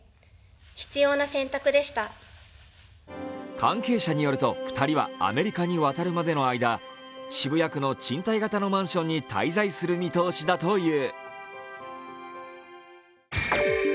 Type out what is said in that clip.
関係者によると、２人はアメリカに渡るまでの間渋谷区の賃貸型のマンションに滞在する見通しだという。